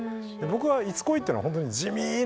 僕は『いつ恋』ってホントに地味な。